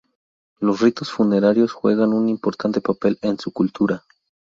Los ritos funerarios juegan un importante papel en su cultura.